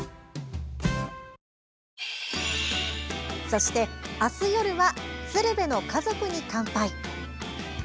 そして、明日、夜は「鶴瓶の家族に乾杯」。